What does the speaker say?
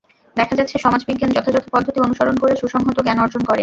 দেখা যাচ্ছে, সমাজবিজ্ঞান যথাযথ পদ্ধতি অনুসরণ করে সুসংহত জ্ঞান অর্জন করে।